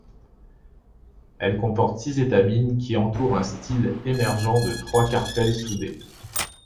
Elle comporte six étamines qui entourent un style émergeant de trois carpelles soudés.